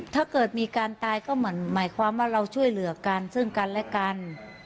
ถ้าเกิดมีการตายก็เหมือนหมายความว่าเราช่วยเหลือกันซึ่งกันและกัน